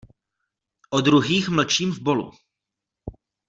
O druhých mlčím v bolu.